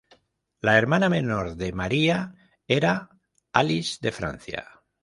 La hermana menor de María era Alix de Francia.